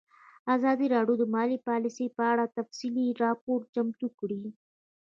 ازادي راډیو د مالي پالیسي په اړه تفصیلي راپور چمتو کړی.